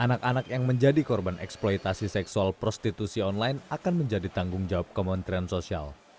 anak anak yang menjadi korban eksploitasi seksual prostitusi online akan menjadi tanggung jawab kementerian sosial